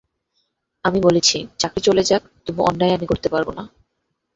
আমি বলেছি, চাকরি চলে যাক, তবু অন্যায় আমি করতে পারব না।